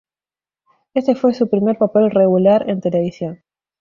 Este fue su primer papel regular en televisión.